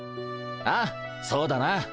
ああそうだな。